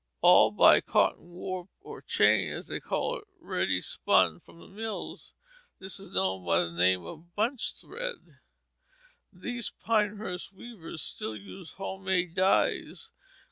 All buy cotton warp or "chain," as they call it, ready spun from the mills. This is known by the name of bunch thread. These Pinehurst weavers still use home made dyes.